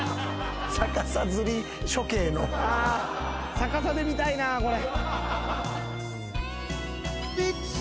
逆さで見たいなこれ。